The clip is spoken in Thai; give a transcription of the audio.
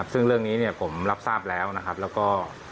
ซึ่งเรื่องนี้ผมรับทราบแล้วแล้วก็